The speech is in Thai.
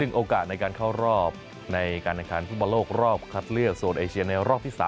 ซึ่งโอกาสในการเข้ารอบในการอกรอบคัตเลือกโซนไอเชียนในรอบที่๓